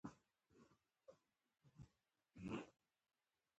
حضرت زید بن حارثه یې قومندان وټاکه.